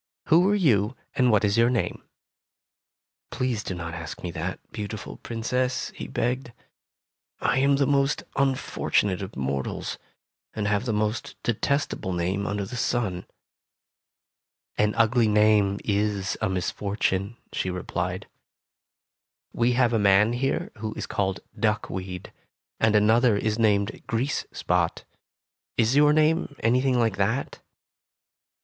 Who are you, and what is your name ?'' "Please do not ask me that, beautiful Princess," he begged. "I am the most unfortunate of mortals, and have the most detestable name under the sun." "An ugly name is a misfortune," she replied. "We have a man here who is called Duckweed, and another is named Tales of Modern Germany 59 Grease Spot. Is your name anything like that?